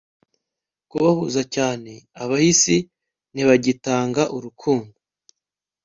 Kubahuze cyane abahisi ntibagitanga urukundo